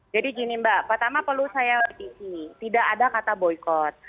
jadi gini mbak pertama perlu saya katakan di sini tidak ada kata boykot